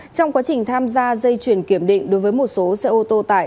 trong quá trình tham gia dây chuyển kiểm định đối với một số xe ô tô tải